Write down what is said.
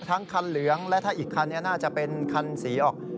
ทั้งคันเหลืองและถ้าอีกคันนี้น่าจะเป็นคันสีออก